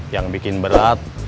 yang bikin berat